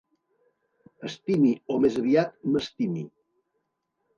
Estimi o, més aviat, m'estimi.